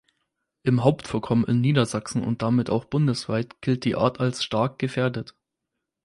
Im Hauptvorkommen in Niedersachsen und damit auch bundesweit gilt die Art als „stark gefährdet“.